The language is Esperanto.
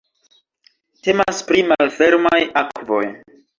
Temas pri malfermaj akvoj.